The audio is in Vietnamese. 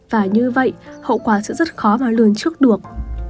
và như vậy hậu quả sẽ rất khó và lường trước được